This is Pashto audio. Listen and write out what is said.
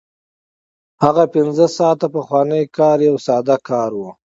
هغه پنځه ساعته پخوانی کار یو ساده کار و